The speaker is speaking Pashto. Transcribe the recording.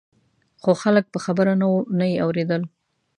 خو خلک په خبره نه وو نه یې اورېدل.